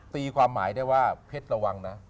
ตีความหมายได้ว่าเพชรระวังนะ